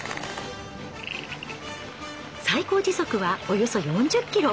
最高時速はおよそ４０キロ。